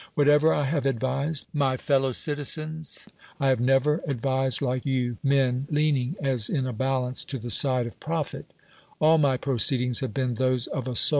Whatever I have advised my fellow citizens, I have never advised like you men, leaiiing as in a balance to the side of profit; all my proceedings have been those of a sou!